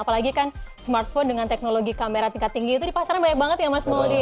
apalagi kan smartphone dengan teknologi kamera tingkat tinggi itu di pasaran banyak banget ya mas maudie